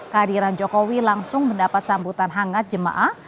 kehadiran jokowi langsung mendapat sambutan hangat jemaah